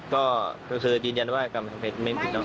ก็คือจริงจันทร์ว่ากำแพงเพชรไม่มีเนอะ